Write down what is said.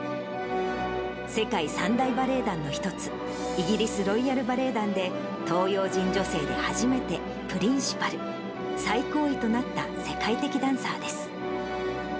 世界三大バレエ団の一つ、イギリス・ロイヤル・バレエ団で東洋人女性で初めてプリンシパル、最高位となった世界的ダンサーです。